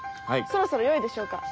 そろそろよいでしょうか。